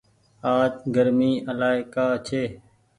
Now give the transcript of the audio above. آج گرمي الآئي ڪآ ڇي۔